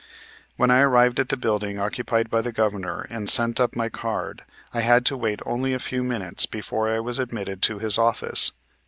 When I arrived at the building occupied by the Governor and sent up my card, I had to wait only a few minutes before I was admitted to his office.